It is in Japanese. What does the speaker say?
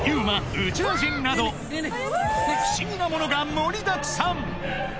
宇宙人など不思議なものが盛りだくさん